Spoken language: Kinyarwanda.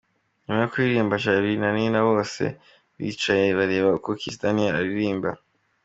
Nyuma yo kuririmba, Charly na Nina nabo bicaye bareba uko Kiss Daniel aririmba.